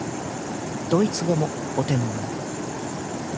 ドイツ語もお手の物。